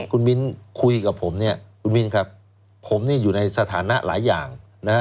คุณมิ้นคุยกับผมเนี่ยคุณมิ้นครับผมนี่อยู่ในสถานะหลายอย่างนะ